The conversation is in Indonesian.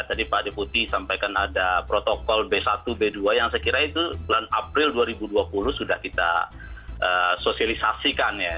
tadi pak deputi sampaikan ada protokol b satu b dua yang saya kira itu bulan april dua ribu dua puluh sudah kita sosialisasikan ya